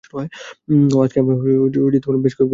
ওহ, আজকে আমরা বেশ কয়েকবার মিলিত হয়েছি!